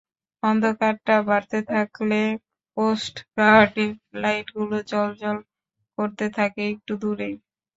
অন্ধকারটা বাড়তে থাকলে কোস্ট গার্ডের লাইটগুলো জ্বলজ্বল করতে থাকে একটু দূরেই।